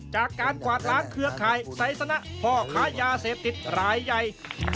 จากการกวาดล้านเครือไข่ไสสนะพ่อค้ายาเสพติดรายใหญ่